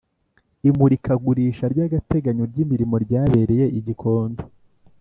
Imurikagurisha ry agateganyo ry imirimo ryabereye I gikondo